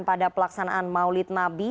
pada pelaksanaan maulid nabi